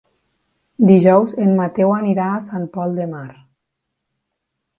Dijous en Mateu anirà a Sant Pol de Mar.